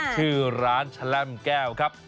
ชื่อร้านแชล่มแก้วครับ